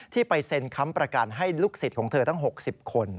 ไปเซ็นค้ำประกันให้ลูกศิษย์ของเธอทั้ง๖๐คน